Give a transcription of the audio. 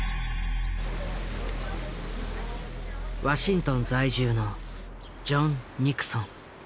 ワシントン在住のジョン・ニクソン。